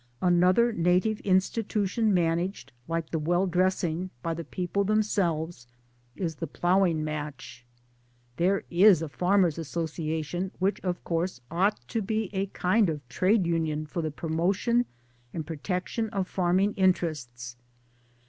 Another native institution managed, like the well dressing, by the people themselves is the Ploughing Match. There is a Farmers' Association which of course ought to be a kind of Trade union for the promotion and protection of farming! interests.